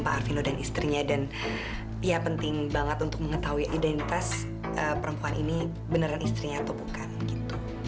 pak arfino dan istrinya dan ya penting banget untuk mengetahui identitas perempuan ini beneran istrinya atau bukan gitu